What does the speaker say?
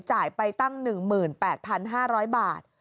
จ่ายไปตั้ง๑๘๕๐๐บาท